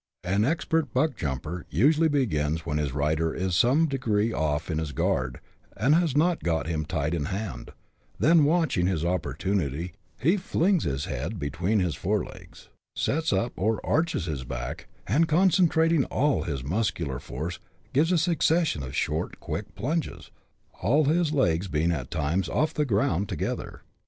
An expert " buck jumper" usually begins when his rider is in some degree oif his guard and has not got him tight in hand; then, watching his opportunity, he flings down his head between his forelegs, sets up or " arches " his back, and concentrating all his muscular force, gives a succession of short, quick plunges, all his legs being at times off the ground together.